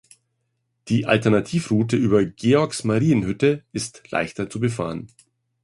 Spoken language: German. Die Alternativroute über Georgsmarienhütte ist leichter zu befahren.